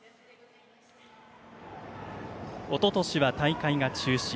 おととしは大会が中止。